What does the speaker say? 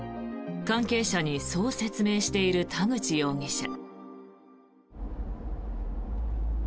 関係者にそう説明している田口容疑者。